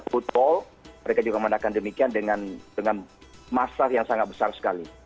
football mereka juga menandakan demikian dengan masa yang sangat besar sekali